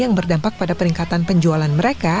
yang berdampak pada peningkatan penjualan mereka